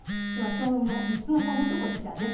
きょうの３つの項目こちらです。